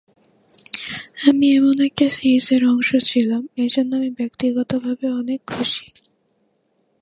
আমি এমন একটা সিরিজের অংশ ছিলাম, এ জন্য আমি ব্যক্তিগতভাবে অনেক খুশি।